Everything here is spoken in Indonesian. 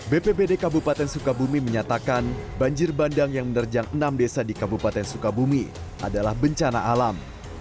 bpbd kabupaten sukabumi menyatakan banjir bandang yang menerjang enam desa di kabupaten sukabumi adalah bencana alam